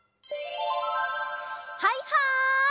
はいはい！